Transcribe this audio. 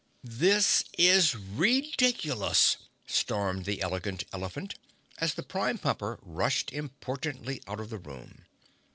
"This is ridiculous!" stormed the Elegant Elephant, as the Prime Pumper rushed importantly out of the room.